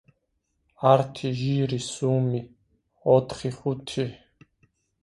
ართი, ჟირი , სუმი, ოთხი, ხუთი